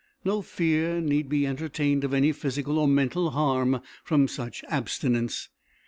No fear need be entertained of any physical or mental harm from such abstinence.